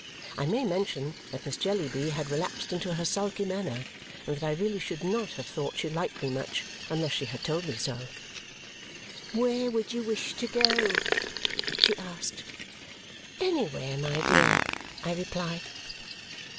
I may mention that Miss Jellyby had relapsed into her sulky manner and that I really should not have thought she liked me much unless she had told me so. "Where would you wish to go?" she asked. "Anywhere, my dear," I replied.